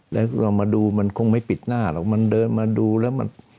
แล้วเรามาดูมันคงไม่ปิดหน้าหรอกมันเดินมาดูแล้วมัน